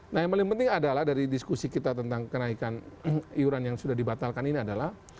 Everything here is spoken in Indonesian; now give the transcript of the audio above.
nah yang paling penting adalah dari diskusi kita tentang kenaikan iuran yang sudah dibatalkan ini adalah